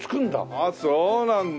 ああそうなんだ。